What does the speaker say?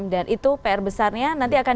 dan itu pr besarnya nanti akan